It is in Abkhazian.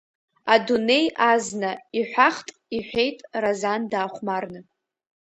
Адунеи азна, иҳәахт иҳәеит Разан даахәмарны.